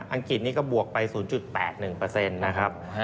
อังกฤษนี่ก็บวกไป๐๘๑เปอร์เซ็นต์นะครับ